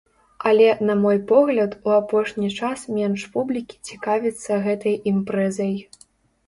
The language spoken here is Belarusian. Але, на мой погляд, у апошні час менш публікі цікавіцца гэтай імпрэзай.